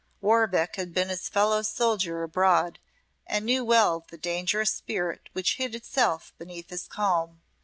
Warbeck had been his fellow soldier abroad and knew well the dangerous spirit which hid itself beneath his calm.